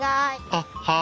あっはい。